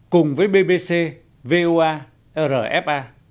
cùng với bbc voa rfa